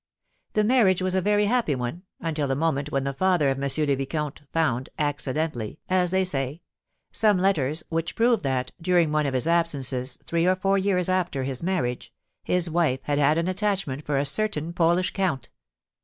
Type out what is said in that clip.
"The marriage was a very happy one, until the moment when the father of M. le Vicomte found accidentally, as they say some letters, which proved that, during one of his absences three or four years after his marriage, his wife had had an attachment for a certain Polish count."